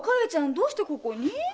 どうしてここに？